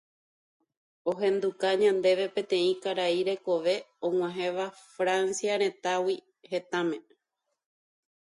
Oñanduka ñandéve peteĩ karai rekove og̃uahẽva Francia retãgui hetãme